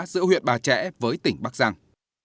giữa huyện bà trẻ với tỉnh bắc giang